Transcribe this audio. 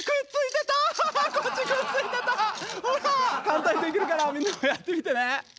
簡単にできるからみんなもやってみてね。